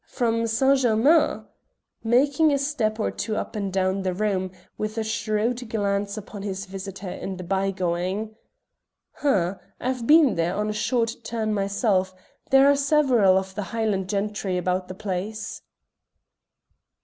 From Saint Germains " making a step or two up and down the room, with a shrewd glance upon his visitor in the bygoing. "H'm, I've been there on a short turn myself; there are several of the Highland gentry about the place."